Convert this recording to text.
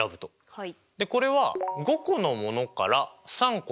はい。